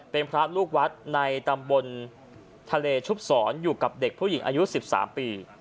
เป็นพระลูกวัดในตำบลทะเลชุบศรอยู่กับเด็กผู้หญิงอายุ๑๓ปี